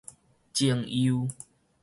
贈賄